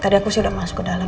tadi aku sudah masuk ke dalam